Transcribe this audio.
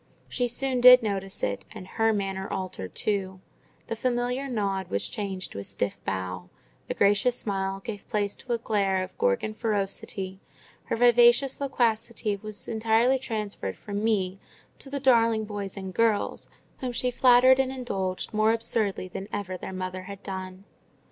She soon did notice it, and her manner altered too: the familiar nod was changed to a stiff bow, the gracious smile gave place to a glare of Gorgon ferocity; her vivacious loquacity was entirely transferred from me to "the darling boy and girls," whom she flattered and indulged more absurdly than ever their mother had done.